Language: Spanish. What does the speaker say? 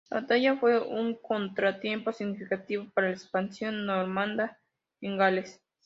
La batalla fue un contratiempo significativo para la expansión normanda en Gales.